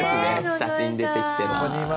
写真出てきてます。